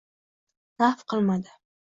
Naf qilmadi.